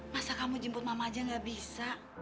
masa kamu jemput mama aja gak bisa